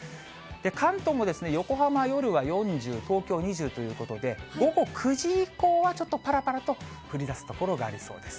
関東も横浜、夜は４０、東京２０ということで、午後９時以降はちょっとぱらぱらと降りだす所がありそうです。